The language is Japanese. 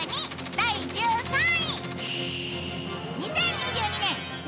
第１３位。